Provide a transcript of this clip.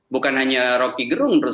bukan hanya rocky gerung terus